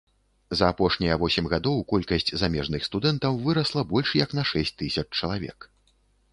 За апошнія восем гадоў колькасць замежных студэнтаў вырасла больш як на шэсць тысяч чалавек.